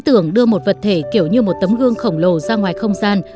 ý tưởng đưa một vật thể kiểu như một tấm gương khổng lồ ra ngoài không gian